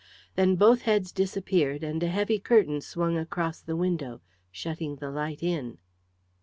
Then both heads disappeared, and a heavy curtain swung across the window, shutting the light in.